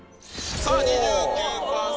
さあ、２９％。